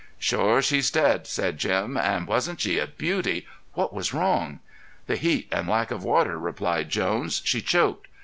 "Shore she's dead," said Jim. "And wasn't she a beauty? What was wrong?" "The heat and lack of water," replied Jones. "She choked.